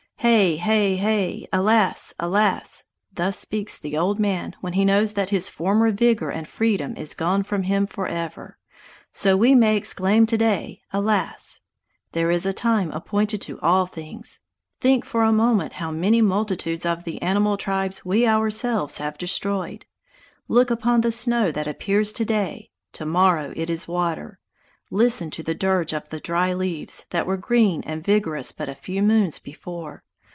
"'Hay, hay, hay! Alas, alas!' Thus speaks the old man, when he knows that his former vigor and freedom is gone from him forever. So we may exclaim to day, Alas! There is a time appointed to all things. Think for a moment how many multitudes of the animal tribes we ourselves have destroyed! Look upon the snow that appears to day to morrow it is water! Listen to the dirge of the dry leaves, that were green and vigorous but a few moons before!